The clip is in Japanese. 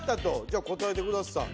じゃあ答えてください。